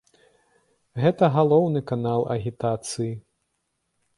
Гэта галоўны канал агітацыі.